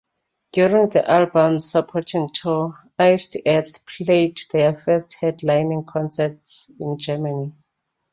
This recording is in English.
During the album's supporting tour, Iced Earth played their first headlining concerts in Germany.